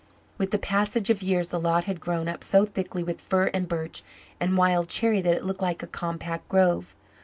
With the passage of years the lot had grown up so thickly with fir and birch and wild cherry that it looked like a compact grove.